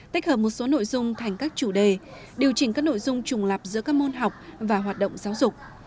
tích hợp một số nội dung thành các chủ đề điều chỉnh các nội dung trùng lập giữa các môn học và hoạt động giáo dục